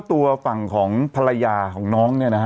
ตัวฝั่งของภรรยาของน้อง